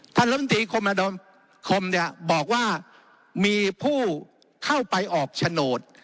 ท่านลำตีโคมนาคมบอกว่ามีผู้เข้าไปออกโฉนด